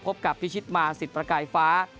พบกับพิชิตมาสิทธิ์ประกายฟ้า